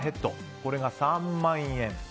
これが３万円。